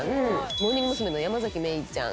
モーニング娘。の山愛生ちゃん